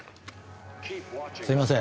すいません。